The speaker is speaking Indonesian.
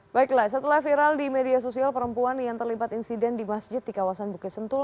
baiklah setelah viral di media sosial perempuan yang terlibat insiden di masjid di kawasan bukit sentul